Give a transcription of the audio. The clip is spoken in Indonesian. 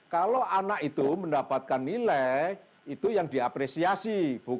kalau anak itu mendapatkan nilai itu yang diapresiasi